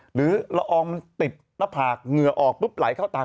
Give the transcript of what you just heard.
หรือละอองมันติดหน้าผากเหงื่อออกปุ๊บไหลเข้าตา